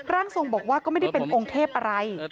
ร่างทรงบอกว่าก็ไม่ได้เป็นองค์เทพอะไร